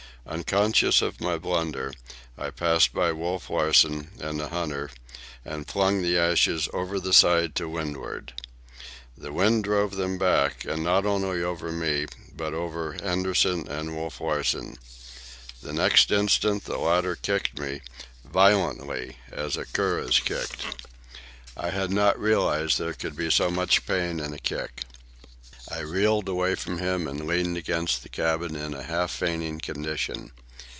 Unconscious of my blunder, I passed by Wolf Larsen and the hunter and flung the ashes over the side to windward. The wind drove them back, and not only over me, but over Henderson and Wolf Larsen. The next instant the latter kicked me, violently, as a cur is kicked. I had not realized there could be so much pain in a kick. I reeled away from him and leaned against the cabin in a half fainting condition.